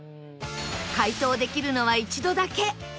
解答できるのは一度だけ